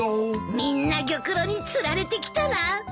みんな玉露に釣られてきたな。